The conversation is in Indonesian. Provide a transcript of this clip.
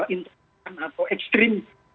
intern atau ekstrim